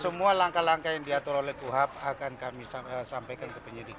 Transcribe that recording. semua langkah langkah yang diatur oleh kuhap akan kami sampaikan ke penyidik